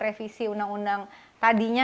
revisi undang undang tadinya